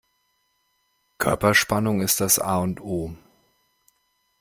Körperspannung ist das A und O.